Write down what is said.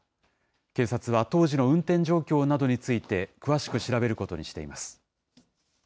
警察は当時の運転状況などについて、詳しく調べることにしています。